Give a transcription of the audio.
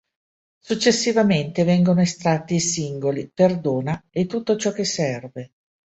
Successivamente vengono estratti i singoli Perdona e Tutto ciò che serve.